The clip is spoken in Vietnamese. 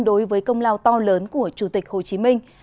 đối với công lao to lớn của chủ tịch hồ chí minh